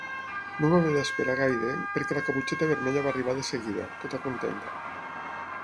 No va haver d'esperar gaire, perquè la Caputxeta Vermella va arribar de seguida, tota contenta.